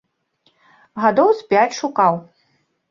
Гадоў з пяць шукаў.